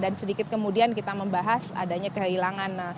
dan sedikit kemudian kita membahas adanya kehilangan